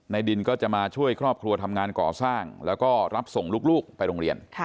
ดินก็จะมาช่วยครอบครัวทำงานก่อสร้างแล้วก็รับส่งลูกไปโรงเรียน